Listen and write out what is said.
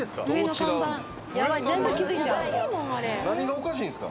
何がおかしいんすか？